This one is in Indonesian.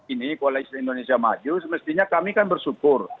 ini koalisi indonesia maju semestinya kami kan bersyukur